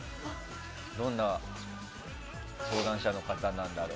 どんな相談者の方なんだろう。